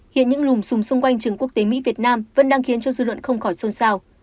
hiện những lùm xùm xung quanh trường quốc tế mỹ việt nam vẫn đang khiến cho dư luận không khỏi xôn xao